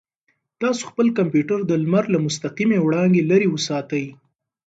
تاسو خپل کمپیوټر د لمر له مستقیمې وړانګې لرې وساتئ.